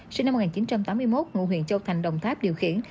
sinh năm một nghìn chín trăm tám mươi một ngụ huyện châu thành đồng tháp điều khiển